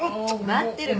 待ってる。